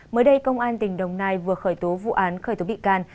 mới đây công an tỉnh đồng nai vừa khởi tố vụ án khởi tố bị can